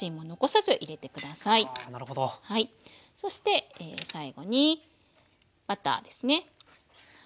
そして最後にバターですね。